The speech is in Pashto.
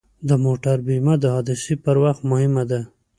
د موټر بیمه د حادثې پر وخت مهمه ده.